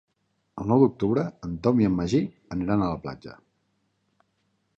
El nou d'octubre en Tom i en Magí aniran a la platja.